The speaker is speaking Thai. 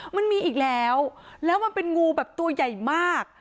มันมีอีกแล้วแล้วมันเป็นงูแบบตัวใหญ่มาก